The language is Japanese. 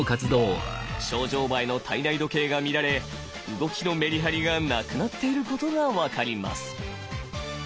ショウジョウバエの体内時計が乱れ動きのメリハリがなくなっていることが分かります。